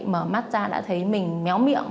mở mắt ra đã thấy mình méo miệng